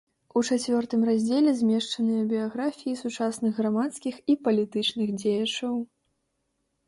У чацвёртым раздзеле змешчаныя біяграфіі сучасных грамадскіх і палітычных дзеячаў.